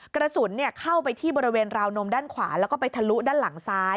กระสุนเข้าไปที่บริเวณราวนมด้านขวาแล้วก็ไปทะลุด้านหลังซ้าย